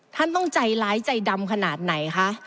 ท่านต้องใจร้ายใจดำขนาดไหนคะ